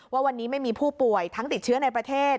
ว่าวันนี้ไม่มีผู้ป่วยทั้งติดเชื้อในประเทศ